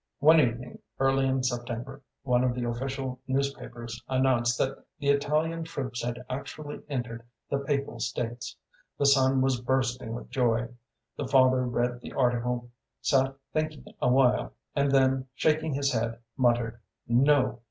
One evening, early in September, one of the official newspapers announced that the Italian troops had actually entered the Papal States. The son was bursting with joy. The father read the article, sat thinking awhile, and then, shaking his head, muttered: "No!"